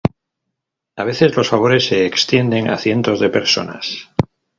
A veces, los favores se extienden a cientos de personas.